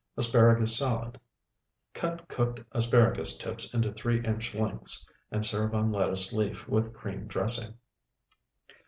ASPARAGUS SALAD Cut cooked asparagus tips into three inch lengths, and serve on lettuce leaf with cream dressing.